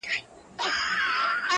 زورولي مي دي خلک په سل ګونو٫